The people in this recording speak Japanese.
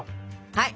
はい！